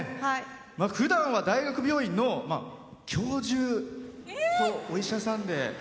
ふだんは大学病院の教授とお医者さんで。